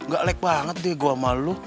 gak lag banget deh gue sama lu